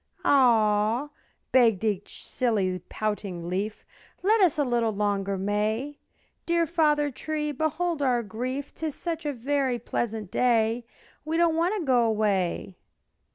"Ah!" begged each silly, pouting leaf, "Let us a little longer May; Dear Father Tree, behold our grief, 'Tis such a very pleasant day We do not want to go away."